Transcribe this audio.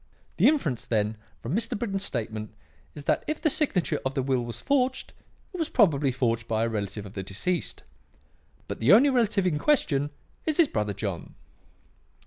The inference, then, from Mr. Britton's statement is, that if the signature of the will was forged, it was probably forged by a relative of the deceased. But the only relative in question is his brother John.